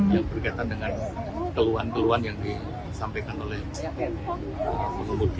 jadi kita harus berhati hati dengan keluhan keluhan yang disampaikan oleh pengemudi